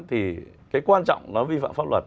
thì cái quan trọng nó vi phạm pháp luật